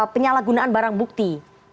penyalahgunaan barang bukti